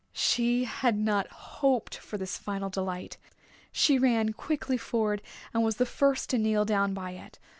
She had not hoped for this final delight. She ran quickly forward and was the first to kneel down by it.